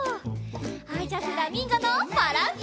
はいじゃあフラミンゴのバランス。